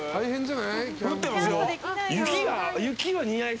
降ってますよ。